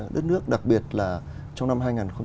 đất nước đặc biệt là trong năm hai nghìn một mươi sáu